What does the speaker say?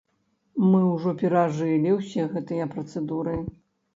Мы ўжо перажылі ўсе гэтыя працэдуры.